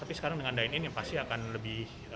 tapi sekarang dengan dine innya pasti akan lebih